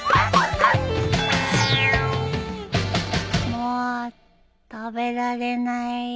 もう食べられないよ。